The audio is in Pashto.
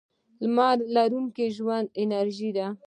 د لمر وړانګې د ژوند انرژي ده.